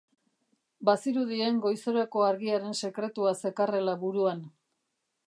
Bazirudien goizeroko argiaren sekretua zekarrela buruan.